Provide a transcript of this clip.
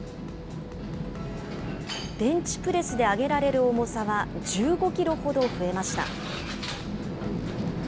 ベンチプレスであげられる重さは１５キロほど増えました。